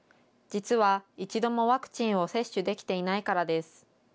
実は一度もワクチンを接種できていないからです。